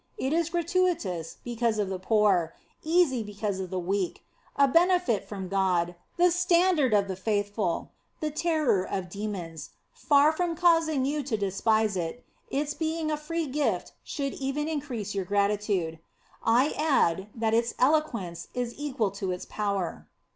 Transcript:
It is gratuitous, because of the poor; easy, because of the weak. A benefit from God, the standard of 74 The Sign of the Cross. 75 the faithful, the terror of demons; far from causing you to despise it, its being a free gift should even increase your gratitude."* I add, that its eloquence is equal to its power.